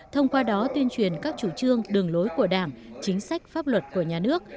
thông qua đó tuyên truyền các chủ trương đường lối của đảng chính sách pháp luật của nhà nước